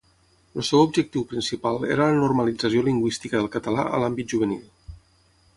El seu objectiu principal era la normalització lingüística del català a l'àmbit juvenil.